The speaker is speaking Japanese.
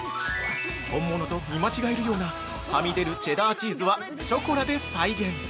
本物と見間違えるようなはみ出るチェダーチーズはショコラで再現。